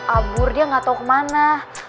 abur dia gak tau kemana